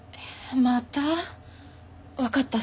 また？